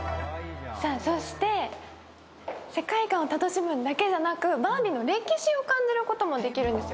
そして世界観を楽しむだけじゃなく、バービーの歴史を感じることもできるんです。